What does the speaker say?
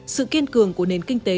sự kiên cường của nền kinh tế